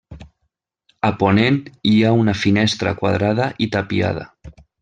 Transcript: A ponent hi ha una finestra quadrada i tapiada.